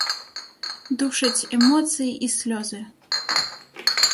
Душаць эмоцыі і слёзы.